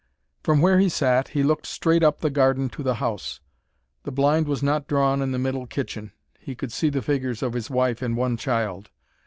From where he sat, he looked straight up the garden to the house. The blind was not drawn in the middle kitchen, he could see the figures of his wife and one child.